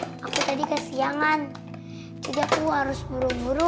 baru baru ini aku tadi kesiangan jadi aku harus buru buru